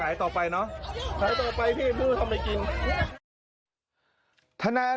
ขายต่อไปพี่เพิ่งทำไมกิน